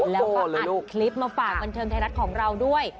แล้วก็อัดคลิปมาฝากบันเทิงไทยรัฐของเราด้วย